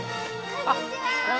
こんにちは。